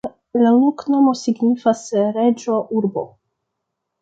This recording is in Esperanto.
La loknomo signifas: reĝo-urbo.